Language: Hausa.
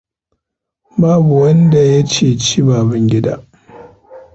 Babu wanda ya ceci Babangida.